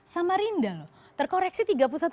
sama rindal terkoreksi tiga puluh satu tujuh